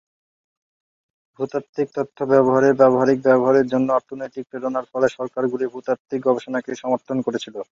ভূতাত্ত্বিক তথ্য ব্যবহারের ব্যবহারিক ব্যবহারের জন্য অর্থনৈতিক প্রেরণার ফলে সরকারগুলি ভূতাত্ত্বিক গবেষণাকে সমর্থন করেছিল।